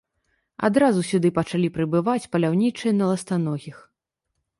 Адразу сюды пачалі прыбываць паляўнічыя на ластаногіх.